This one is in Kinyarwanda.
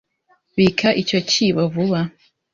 Bika icyo cyibo vuba